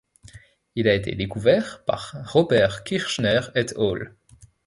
Il a été découvert par Robert Kirshner et al.